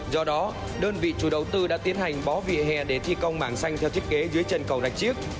do đó đơn vị chủ đầu tư đã tiến hành bó vỉa hè để thi công mảng xanh theo thiết kế dưới chân cầu rạch chiếc